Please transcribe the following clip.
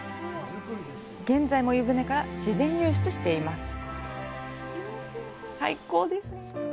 現在も湯船から自然湧出しています。